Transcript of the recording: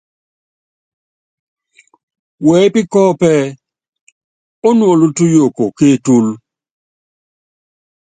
Wɛ́pí kɔ́ɔ́pú ɛ́ɛ: Ónuóló túyuukɔ ké etúlú.